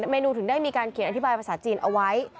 เมนูถึงได้มีการเขียนอธิบายภาษาจีนเอาไว้